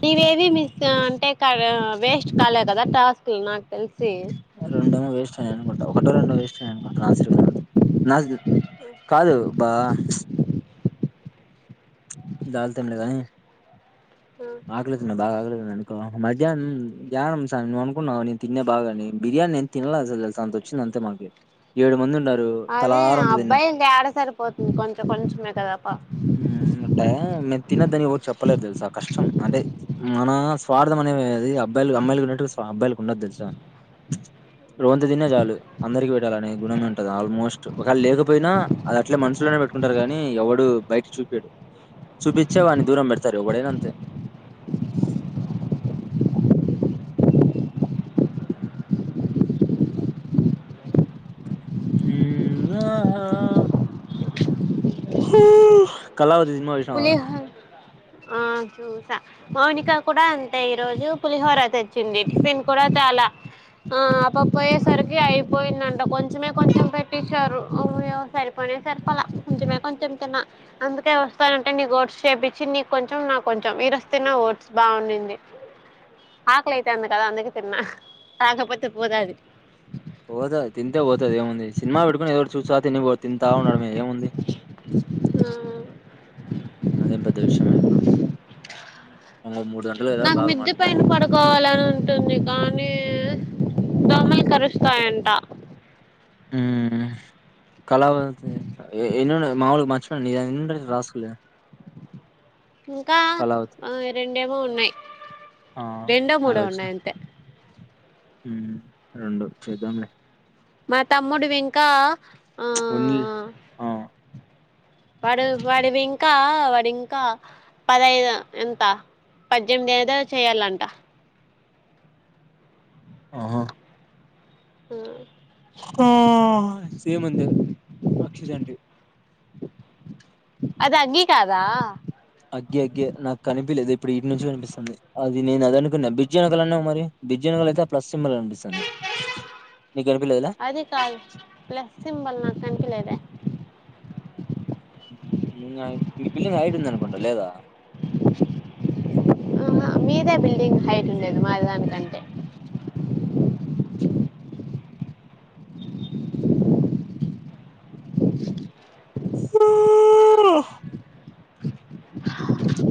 నీవేవి miss అంటే క waste కాలే కదా టాస్క్ నాకు తెల్స్ రెండేమో వేస్ట్ ఐననుకుంటా ఒకటో రెండో వేస్ట్ ఐననుకుంటా నాశిరిగ కాదు బా దాల్తుంలే గాని ఆకలేసున్న బాగ ఆగలే అనుకో మధ్యాహ్నం ద్యానం సా నువ్వనుకున్నావు నేను తిన్నె బాగని బిర్యానీ నేను తినలే అసలు సంతో చిందంత మనకే ఏడు మందుండ అదే అబ్బాయి ఇం ఏడ సరిపోతుంది కొంచె కొంచమే కదా పా ఉమ్ మట్టా మ తినద్దని ఎవురు చెప్పలేద్దెలుసా కష్టం అంటే మన స్వార్థం అనేవిది అబ్బాయిలు అమ్మాయిలుకి ఉన్నట్టు అబ్బాయిలకు ఉండదు తెలుసా రూంత తిన్నా చాలు అందరికి పెట్టాలనే గుణం ఉంటది ఆల్మోస్ట్ ఒకాళ లేకపోయినా అది అట్లే మనుసులోనే పెట్టుకుంటారు కాని ఎవడు బయట చూపీడు చూపిచ్చే వాన్ని దూరం బెడతారు ఎవ్వడైనా అంతే కళవది సినిమా చూసినావా పులిహోర ఆ చూసా మౌనిక కుడ అంతే ఈ రోజు పులిహోర తెచ్చింది టిఫిన్ కూడా ల ఆ అ పాప్ పొయేసరికి అయిపోయిందంట. కొంచెమే కొంచెం పెట్టించారు. అమ్మయా సరిపో నె సరిపోలే కొంచమే కొంచెం తిన్నా. అందుకే, వస్తానంటే నీకు ఓట్స్ చేపించి, నీకు కొంచెం, నాకు కొంచెం. ఈరోజు తిన్న ఓట్స్ బాగున్నింది. ఆకలయితంది కదా! అందుకే తిన్న. కాకపోతే పోదది. పోదా తింటే పోతది ఏముంది. సినిమా పెట్టుకుని ఎదోటి చూస్తా తిను పోత్ తింటా ఉండడమే ఏముంది? అదేం పెద్ద విషయం ఏం ప నాకు మిద్ది పైన పడుకోవాలని ఉంటుంది. కానీ, దోమలు కరుస్తాయంట. మ్ కళావతి. ఎ ఎన్ని ఉన్నాయి మాములుగ మర్చిపోయాన్ ఎన్నుంటై రాసుకోలే. ఇంకా కళావతి రెండేమో ఉన్నాయ్. ఆ రెండో మూడో ఉన్నాయి అంతే. మ్ రొండు చేద్దాంలే. మా తమ్ముడు వి ఇంకా ఆ ప్చ్ ఉన్నీలే ఆ. వాడు, వాడివి ఇంకా, వాడింకా, పదైదు అంట. పద్దెనిమిది ఏదో చేయ్యలంట. ఆహ మ్ ఆ సేమ్ ఉంది. రక్షిత్ అంటి. అది అగ్గి కాదా? అగ్గి అగ్గె. నాకు కనిపియలేదు ఇప్పుడు ఈడ్నించి కనిపిస్తాంది. అది నేను అదనుకున్న. బ్రిడ్జి ఎనకాల అన్నావు మరి? బ్రిడ్జ్ ఎనకాల అయితే, ఆ ప్లస్ సింబల్ కనిపిస్ అది కాదు. ప్లస్ సింబల్ నాకు కనిపిలేదే? ఇంగ, ఈ బిల్డింగ్ హైట్ ఉందనుకుంట. లేదా? ఆహా మీదే బిల్డింగ్ హైట్ ఉండేది. మాదాని కంటే, ఆ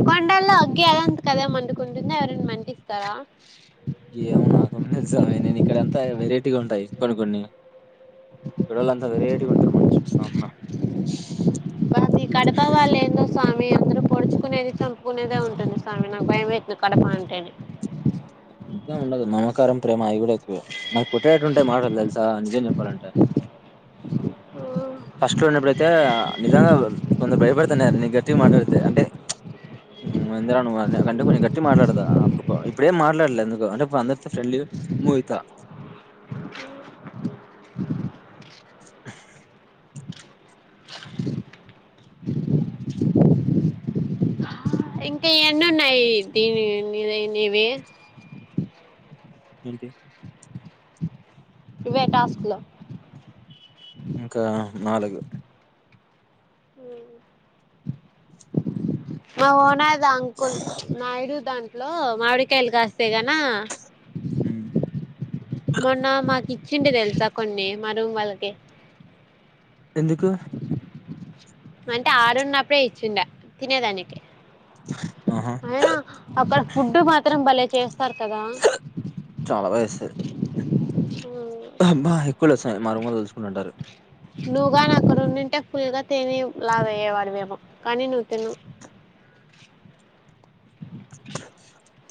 కొండల్లో అగ్గి అదంతకి అదే మండుకుంటుంద! ఎవరైనా మంటిస్తారా? ఏమో నాకేమన్నా తెలుసా మే నేన్ ఇక్కడంతా వెరైటీగా ఉంటాయి కొన్ని కొన్ని. ఇక్కడోల్ అంతా వెరైటీగా ఉంటారు. మంచిగ సామ్న మీ కడప వాల్ ఏందో స్వామి అందరుూ పొడుచుకునేది, చంపుకునేదే, ఉంటుంది స్వామి. నాకు భయమైతుంది కడప అంటేనే. అంతే ఉండదు. మమకారం, ప్రేమ అవి కూడ ఎ క్కువ. మావి కొట్టేట్టు ఉంటాయి మాటలు తెలుసా! నిజేం చెప్పాలంటే. ఫస్ట్ లో ఉన్నప్పుడుయితే, నిజంగా కొందరు భయపడతాన్నారు నేన్ గట్టిగ మాట్లాడితే. అంటే, మ్ వుందిరా నువ్వు అని. అంటే, కొంచెం గట్టిగ మాట్లాడదా అప్పుడుకో ఇప్పుడ్ ఏం మాట్లాడలే ఎందుకొ. అంటే, ఇప్ అందరితో ఫ్రెండ్లీగా మూవ్ అయితా. ఇంకా ఎన్నున్నాయి ఇది దీ నీవి? ఏంటి ఇవే టాస్కులు ఇంకా నాలుగు. మ్. మా ఓనా ర్ అంకుల్, నాయుడు దాంట్లో మావిడికాయలు కాస్ స్తెగనా హ్మ్. మొన్న మాకిచ్చిండే తెలుసా కొన్ని, మా రూమ్ వాళ్ళకి. ఎందుకు అంటే ఆడున్నప్పుడే ఇచ్చిండ. తినేదానికి. స అయినా అక్కడ ఫుడ్డు మాత్రం భలే చేస్త పర్తదా చాలా బాధేస్తది. అబ్బా ఎక్కువలే సా మా రూమ్ వాళ్ళు తలుసుకుంటుంటారు నువ్వు గాని అక్కడ ఉండింటే ఫుల్ గా తేని లావు అయ్యేవాడివి ఏమో కానీ నువ్వు తినవు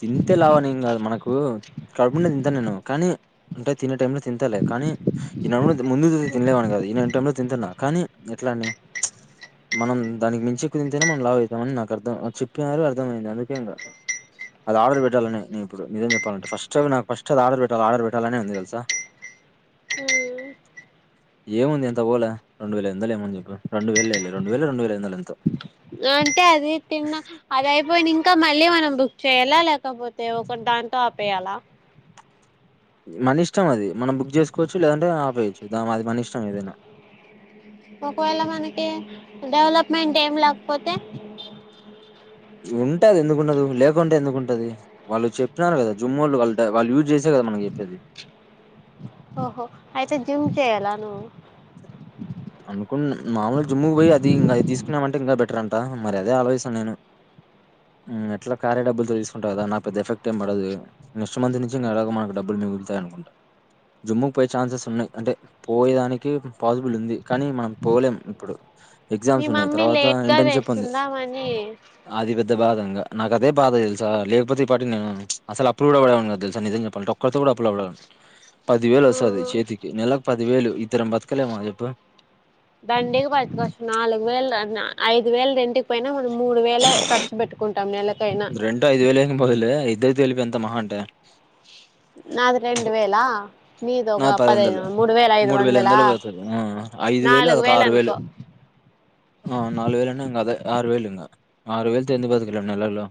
తింతే లావనీం ఏమ్ కాదు మనకు కడుపు నిండా తింతను నేను కానీ అంటే తినే టై లో తింటాలి కానీ ఈడ ముందు తినలే అను ఇలాంటి టైంలో తింటున్నా కానీ ఎట్లా అండి మనం దానికి మించి ఎక్కువ తింటేనే మనం లావ్ అవుతామ అని నాకు అర్థం చెప్పారు అర్థమైంది అందుకే ఇంగ అది ఆర్డర్ పెట్టాలని నేను ఇప్పుడు నిజం చెప్పాలంటే ఫస్ట్ నాకు ఫస్ట్ అది ఆర్డర్ పెట్టాలి ఆర్డర్ పెట్టాలనే ఉంది తెలుసా అ ఏముంది ఎంత పోఓలే రెండు వేల ఎందలు ఏమని చెప్పి రెండు వేలు రెండు వేలు రెండు వేల ఎందలు ఎంతో అంటే అది తిన్నా అది అయిపోయి ఇంకా మళ్ళీ మనం బుక్ చేయాలా లేకపోతే ఒకటి దాంతో ఆపేయాల మన ఇష్టం అది మనం బుక్ చేసుకోవచ్చు లేదంటే ఆపేయచ్చు దా అది మన ఇష్టం ఏదైనా ఒకవేళ మనకి డెవలప్మెంట్ ఏం లేకపోతే ఉంటది ఎందుకుంటండదు లేకుంటే ఎందుకుంటది వాళ్ళు చెప్పినారు కదా జుమ్ముల్లు వాళ్లు యూజ్ చే ఓహో అయితే జిమ్ చేయలా నువు అనుకుం మామూలుగా జిమ్ము కి పోయి అది ఇంకా అది తీసుకున్నామంటే ఇంకా బెటర్ అంట మరి అదే ఆలోచిస్తాను నేను ఎట్లా కార్య డబ్బులతో తీసుకుంటవు కదా నా పెద్ద ఎఫెక్ట్ ఏం పడదు నెక్స్ట్ మంత్ నుంచి ఇక ఎలా మకు డబ్బులు మిగుతా అనుకుంటా జిమ్ముకు పోయే ఛాన్సెస్ ఉన్నాయి అంటే పోయేదానికి పాసిబుల్ ఉంది కానీ మనం పోలేం ఇప్పుడు మీ ఎగ్జామ్స్ ఉన్నాయి మమ్మీ తర్వాత లేట్ గా ఇంటర్న్షిప్ ఉంది వేస్తుందామని ఆది పెద్ద బాధంగా నాకు అదే బాధ తెలుసా లేకపోతే ఈ పాటికి నేను అసలు అప్పులు కూడా పడను కద తెలుసా నిజం చెప్పాలంటే ఒక్కరితో కూడా అప్పులు పడా పది వేలు ఆ వస్తది చేతికి నెలలకు పది వేలు ఇద్దరం బతకలేమ చెప్పు దండిగా బతకచ్చు నాలుగు వేలు ఐదు వేలు రెంట్ కి పోయిన మూడు ఖర్చు పెట్టుకుంట రెంట్ ఐదు వేలుం పోలే ఇద్దరు తెలిపి ఎంత మహా అంటే నాది రెండు వేళ నిదోక్క నాది పది పదిదు వందలు మూడు వేల ఐదు మూడు ఎనిమిది వందలా వందలు పోతది ఆ ఐదు వేలు నాలుగు అదొక ఆరు వేలు వేలనుకో ఆ నాలుగు వేలన్నాం అదే ఆరు వేలు ఇంగ ఆరు వేలు తో ఎందుకు బతక లేము నేలలో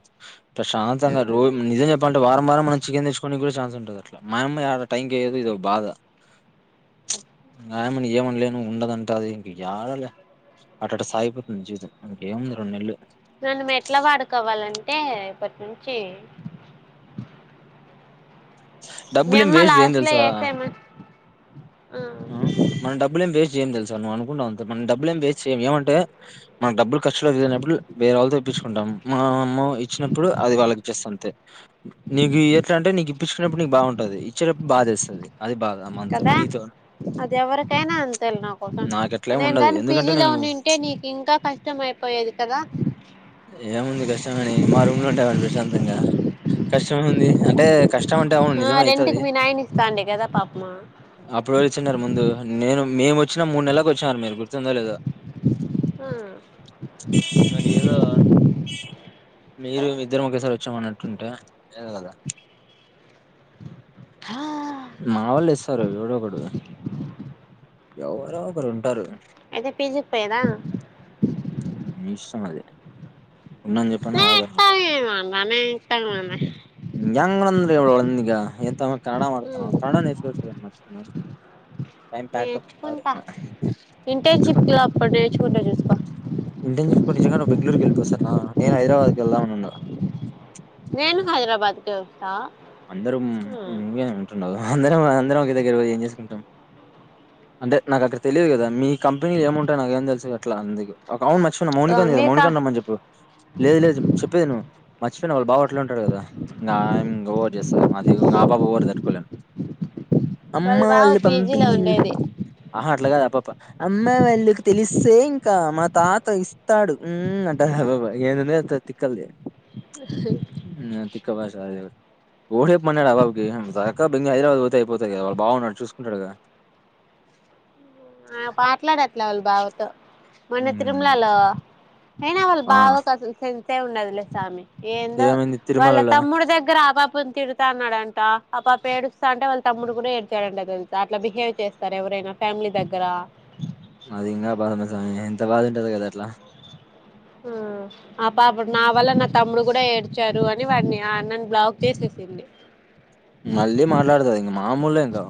ప్రశాంతంగా ఆ రో నిజం చెప్పాల అంటే వారం వారం మనం చికెన్ తెచ్చుకోడానికి కూడా ఛాన్స్ ఉంటది అట్లా మనం ఆ టైంకియదు ఇదో బాధ రాయమని ఏమనలే నువు ఉండదంట అది ఇంక జడలే అట్ట అట సాగిపోతుంది జీవితం ఇంక ఏముంది రెండు నెలలు అంటే రేపట్నీ నించి డబ్బులే ఏం వేస్ది చేయం లాస్ట్ లో తెలుసా వేసేమ ఆ మనం డబ్బులు ఏం వేస్ట్ చేయం తెలుస నువ్వు అనుకుంటవు మన డబ్బులు ఏం వేస్ సేమ్ ఏమంటే మన డబ్బులు ఖర్చులోకిళ్ళినప్పుడు వేర వాళ్ళతో ఇప్పిచుకుంటాం మా అమ్మ ఇచ్చినప్పుడు అది వాళ్ళకి ఇచ్చేస్త అంతే నీకు ఎట్లా అంటే నీకు ఇప్పించుకునే ఇప్పుడు నీకు బాగుంటది ఇచ్చేటప్పుడు బాధా ఏస్తాది అది బాగా మనతో కదా నీతో అది ఎవరికైనా అంతేల నాకోసం నాకట్లేం నేను ఉండదు కాని ఎందుకంటే పీజీలో నేను ఉంటే నీకు ఇంకా కష్టం అయిపో పోయదు కదా ఏముంది కష్టమని మా రూమ్ లో ఉండేవాడి ప్రశాంతంగా కష్టమేముంది అంటే కష్టం అంటే అవును ఆ నిజం అవుతది రెంట్కి మీ నాయన ఇస్తాండే కదా పాపము అప్పుడు వచ్చనారు ముందు నేను, మేము వచ్చిన మూడు నెల్లకి వచ్చినారు మీరు గుర్తుందో లేదో. ఆ మరి ఏదో- మీరు, మేం ఇద్దరం ఒకేసారి వచ్చామ అన్నట్టుంటే. హా మా వాళ్ళు ఇస్తారు ఎవరో ఒకడు. అయితే పీజీకి పోయేదా. మీ ఇష్టం అది, ఉండని చెప్పను ఆగని చెప్పను. తంమమ యంగ్ అంద్ర ఇవళళంద ఎంతమ కన్నడ వార్తమ, కన్నడనేర్చుకోవచ్చుగ. నేర్చుకుంటా, ఇంటర్న్షిప్ మిచ్చుకుంటా లో అప్పుడు నేర్చుకుంటా చూసుకో. ఇంజమ్ కొన్ని జనా నువ్ బెంగళూర్ వెళ్ళిపో సరేనా, నేను హైదరాబాద్కి వెళదాం ఇంగా. నేను హైదరాబాద్కె వెస్తా. అందరం ఇంగే ఉంటుండవు. అంటే నాకు అక్కడ తెలీదు కదా, మీ కంపెనీలు ఏముంటాయి నాకు ఏం తెలుసు అట్లా అందుకె. అవును మర్చిపోయిను మౌనిక ఉంది కదా మీకా మౌనికని రమ్మని చెప్పు. మర్చిపోయిన వాళ్ళ బావ హోట్టెల్లో ఉంటాడు కదా. చేస్తది అది వాళ్ళ అమ్మా బావ వాళ్ళు పీజీలో పంపీల్. ఉండేది అమ్మాయి వాళ్ళకి తెలిస్తే ఇంకా మా తాత ఇస్తాడు మ్ అంట. పెద్ద తక్కల్ది. మ్ తిక్క భాష ఎవ్వర్లెపు మన్నాడు ఆ అభాకి చక్కా బండీ హైదరాబాద్ పోతే అయిపోతది కదా వాళ్ళ బావ ఉన్నాడు చూసుకుంటాడుగా. ఆ ఆ పాట్లాడట్లే వాళ్ళ బావతో. మొన్న మ్మ్ తిరుమలలో అయినా వాళ్ళ ఆ బావకు అసలు సెన్సే ఉండదులే సామి. ఏందో ఏమైంది వాళ్ళ తిరుమలలో తమ్ముడి దగ్గర అపాప. తిడుతా అన్నాడంట ఆ పాప ఏడుస్తాంటే వాళ్ళ తమ్ముడు కూడ ఏడ్చాడంట తెల్సా అట్ల బిహేవ్ చేస్తార ఎవర్. ఐనా ఫ్యామిలీ దగ్గర. మాది ఇంకా బాధ ఉన్నది సామి, ఎంత బాధ ఉంటది కదా అట్లా. ఆ ఆ పాప నా వల్ల నా తమ్ముడు కూడ ఏడ్చారు అని వాడ్ని, ఆ అన్నన్ మళ్ళీ మాట్లాడుతది ఇంకా మామూలె ఇంకా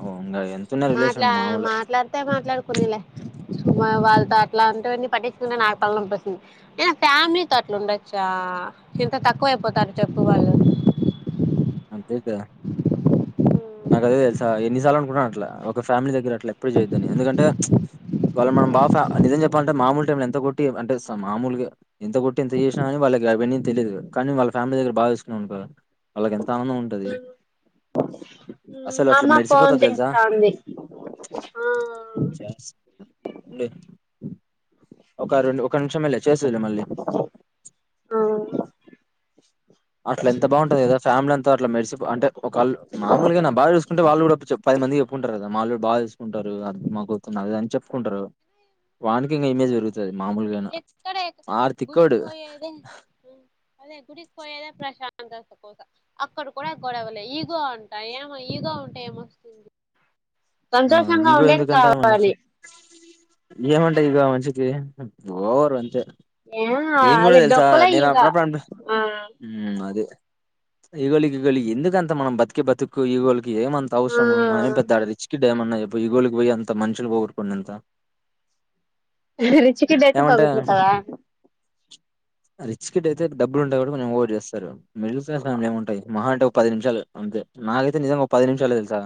ఇ ఎంత. మాట్లాన్ మాట్లాడితే, మాట్లాడుకొనీలే. వాళ్ళతో అట్లా ఉంటేవన్నీ పట్టించుకుంటే నాకు తలనొప్పి వస్తుంది, ఐనా ఫ్యామిలీతో అట్లా ఉండొచ్చా. ఇంత తక్కువ అయిపోతారు చెప్పు వాళ్ళు అంతెకదా నాకు అదే తెలుసా ఎన్నిసార్లు అనుకుంటన్నాను అట్లా ఒక ఫ్యామిలీ దగ్గర అట్లా ఎప్పుడు చేయొద్దని, ఎందుకంటే- వాళ్ళని మనం బాఫా, నిజం చెప్పాలంటే మామూలు టైమ్లొ ఎంత కొట్టి అంటే సమ్ మామూలుగా ఎంత కొట్టి, ఎంత చేసినా కాని వా వాళ్ళకి అవన్ని తెలిదు, కానీ వాళ్ళ ఫ్యామిలీ దగ్గర బాగ చసుకున్నావనుకో, వాళ్ళకి ఎం తాను ఉంటది అసలు మా అట్లా అమ్మ ఫోన్ మెరిసిపోతది తెలుసా. చేస్తాంది ఆ ఛాన్స్ ఉంది. ఒక రెండు, ఒక నిమిషమెలె చేస్తదిలే మళ్ళీ. ఆ అట్ల ఎంత బాగుంటది కదా ఫమిలీ అంతా అట్లా మెరిసిపొ అంటే ఒకల్ మామూలుగా నా బార్య చూసుకుంటే వాళ్ళు కూడా ఓటి చెప్ మందికి చెప్పుకుంటారు కదా మా అల్లుడు. బాగా చుసుకుంటారు, అత్తమ్మ కూతుర్ని అని చెప్పుకుంటారు, వానికి ఇంకా ఇమేజ్ పెరుగుతుంది. మామూలుగాను ఎక్కడ ఆరు గుడికి తిక్కోడు. పోయేదే అదే గుడికి పోయేదె ప్రశాంతత కోసం అక్కడ కూడా గొడవలే ఈగో అంటా ఏమో ఈగో. ఇంకా ఉంటా ఏమో ఆ! సంతోషంగా ఉండేది కావాలి. ఏమంటది ఇగ ఆ మనుషికి. ఏ నేను కూడ అది తెల్సా డొక్కులో నేను ఈగ అప్పుడప్పుడు అనిపిస్త్. ఆ ఇగోలి, ఇగోలి ఎందుకంత మనం బతికే బతుక్కు ఈగోలు. ఇది ఏమంత అవసరము మనమె పెద్ద ఆ ఆడ రిచ్. ఇడ ఏం ఉన్నాయి చెప్పు ఈగోలుకి పోయి అంత మనుషిన్ పోగొట్టుకునేంత. రిచ్ కిడ్ అయితే ఏమంటే బాగుంటది అంటావా రిచ్ కిడ్ అయితే డబ్బులు ఉంటాయి కాబట్టి కొంచెం ఓవర్ చేస్తారు మిడిల్ క్లాస్ ఫ్యామిలీ లో ఏముంటాయి మా అంటే ఒక పది నిమిషాలు నాకైతే నిజంగా ఒక పది నిమిషాలే తెలుసా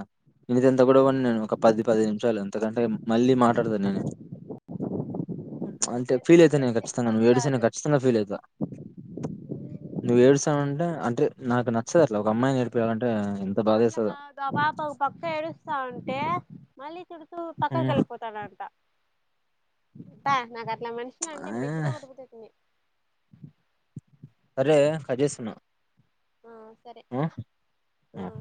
ఇదంతా కూడా ఉండను నేను ఒక పది పది నిమిషాలు అంతకంటే మళ్ళీ మాట్లాడతాను నేను ప్చ్ అంటే ఫీల్ అయిత ఎందుకంటే నేను రిచ్ ఖచ్చితంగా కిడ్ నువ్వు ఏడిస్తే నేను కాదు ఖచ్చితం గా నువ్వు ఏడుస్తన్నావంటే అంటే నాకు నచ్చదు అట్లా ఒక అమ్మాయిని ఎడిపియాలంటే అట్లా కాదుఆ పాప పక్క ఏడుస్తా ఉంటే మళ్ళీ తిడుతూ పక్కకు హ్మ్. వెల్లిపోతాడంట పొ నాకు ఇట్లా మనుషులు అంటే మెట్టితో ఆ కొట్ట బుద్దాయితది అరే కట్ చేస్తున్న ఆ సరే ఆ అ ఆ